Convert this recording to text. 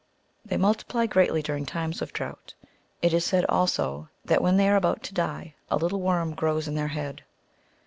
They multiply greatly during times of drought ; it is said also that when they are about to die, a little worm grows in their head.